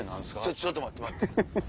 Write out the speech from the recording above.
ちょっと待って待って。